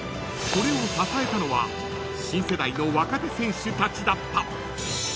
［それを支えたのは新世代の若手選手たちだった］